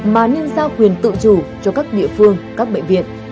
mà nên giao quyền tự chủ cho các địa phương các bệnh viện